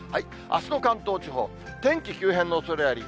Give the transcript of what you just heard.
あすの関東地方、天気急変のおそれあり。